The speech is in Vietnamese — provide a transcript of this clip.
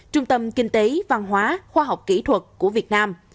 trung tâm kinh tế văn hóa khoa học kỹ thuật của việt nam